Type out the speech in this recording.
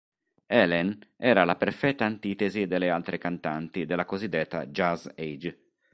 Helen era la perfetta antitesi delle altre cantanti della cosiddetta "Jazz Age".